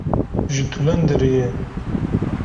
ji Tulenderê ye